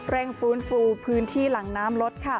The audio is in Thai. เร่งฟื้นฟูพื้นที่หลังน้ำลด